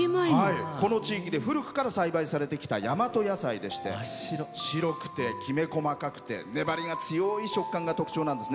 この地域で古くから栽培されてきた大和野菜でして白くてきめ細かくて粘りが強い食感が特徴なんです。